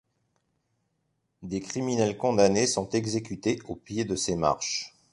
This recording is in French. Des criminels condamnés sont exécutés au pied de ces marches.